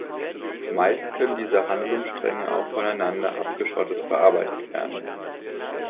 Meist können diese Handlungsstränge auch voneinander abgeschottet verarbeitet werden.